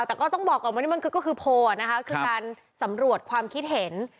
แต่ก็ต้องบอกก่อนว่านี่มันก็คือโพลนะคะคือการสำรวจความคิดเห็น